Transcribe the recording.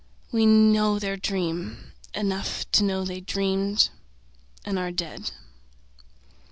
We know their dream; enough To know they dreamed and are dead.